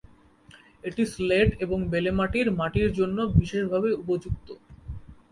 এটি স্লেট এবং বেলে মাটির মাটির জন্য বিশেষভাবে উপযুক্ত।